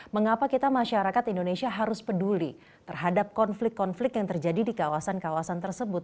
mengapa kita masyarakat indonesia harus peduli terhadap konflik konflik yang terjadi di kawasan kawasan tersebut